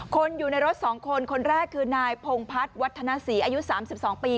คนอยู่ในรถ๒คนคนแรกคือนายพงพัฒน์วัฒนศรีอายุ๓๒ปี